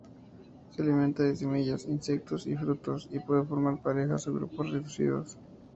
Se alimenta de semillas, insectos y frutos, y puede formar parejas o grupos reducidos.